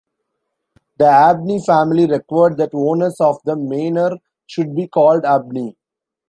The Abney family required that owners of the manor should be called Abney.